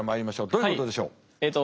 どういうことでしょう？